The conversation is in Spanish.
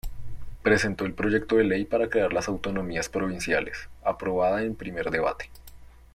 Presentó el Proyecto de Ley para crear las Autonomías Provinciales, aprobada en primer debate.